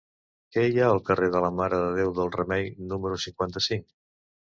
Què hi ha al carrer de la Mare de Déu del Remei número cinquanta-cinc?